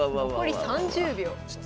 残り３０秒。